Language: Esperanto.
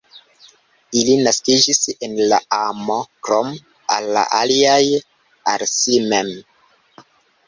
Ili naskiĝis el la amo, krom al la aliaj, al si mem.